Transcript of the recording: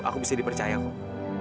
aku bisa dipercayai